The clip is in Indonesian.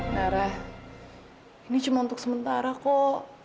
darah ini cuma untuk sementara kok